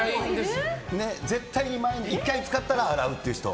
絶対１回使ったら洗うっていう人と。